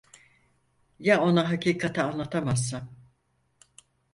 Ya ona hakikati anlatamazsam!